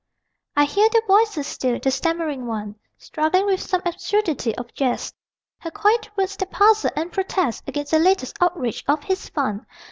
I hear their voices still: the stammering one Struggling with some absurdity of jest; Her quiet words that puzzle and protest Against the latest outrage of his fun.